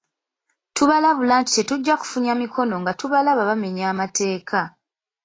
Tubalabula nti tetujja kufunya mikono nga tubalaba bamenya amateeka.